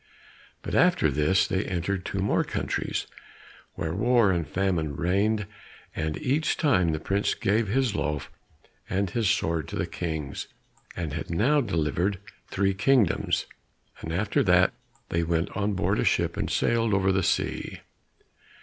But after this they entered two more countries where war and famine reigned and each time the prince gave his loaf and his sword to the Kings, and had now delivered three kingdoms, and after that they went on board a ship and sailed over the sea.